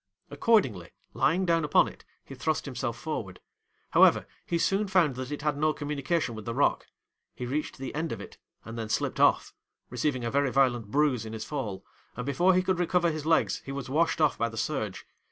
'Accordingly, lying down upon it, he thrust himself forward; however, he soon found that it had no communication with the rock; he reached the end of it, and then slipped off, receiving a very violent bruise in his fall, and before he could recover his legs, he was washed off by the surge.